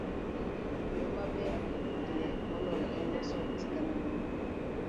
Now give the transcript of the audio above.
Yo maberie moloyo en loso sigana moro.